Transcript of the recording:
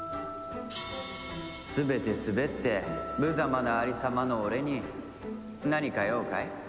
全てスベって無様な有り様の俺に何か用かい？